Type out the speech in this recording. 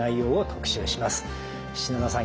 品田さん